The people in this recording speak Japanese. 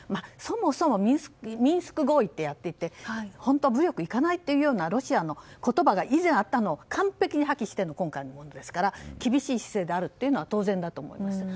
そもそもミンスク合意ってやっていて武力に行かないというようなロシアの言葉があったのを完璧に破棄しての今回のことですから厳しい姿勢であるのは当然だと思います。